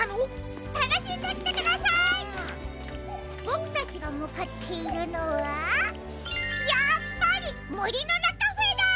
ボクたちがむかっているのはやっぱりモリノナカフェだ！